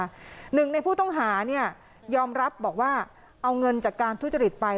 หนึ่งในผู้ต้องหาเนี่ยยอมรับบอกว่าเอาเงินจากการทุจริตไป